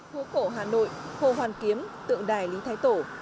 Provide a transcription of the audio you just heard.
phố cổ hà nội hồ hoàn kiếm tượng đài lý thái tổ